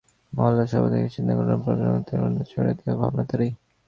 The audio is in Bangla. মহল্লা সভা করে সিদ্ধান্ত গ্রহণের প্রক্রিয়াকে তৃণমূল পর্যন্ত ছড়িয়ে দেওয়ার ভাবনা তাঁরই।